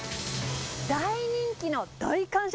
大人気の大感謝